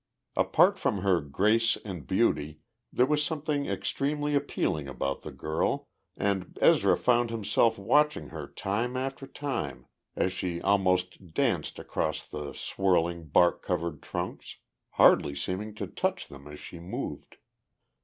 Apart from her grace and beauty, there was something extremely appealing about the girl, and Ezra found himself watching her time after time as she almost danced across the swirling, bark covered trunks hardly seeming to touch them as she moved.